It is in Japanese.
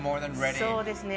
そうですね。